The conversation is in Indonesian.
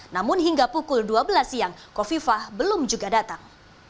namun hingga pukul dua belas siang kofifah belum juga datang